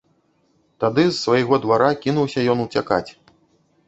Тады з свайго двара кінуўся ён уцякаць.